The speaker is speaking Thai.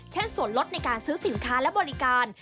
เช่นส่วนลดในการซื้อสินค้าและบริการ